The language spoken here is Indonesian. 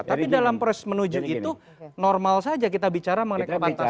tapi dalam pres menuju itu normal saja kita bicara mengenai kepantasan politik tadi